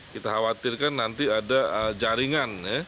kita khawatirkan nanti ada jaringan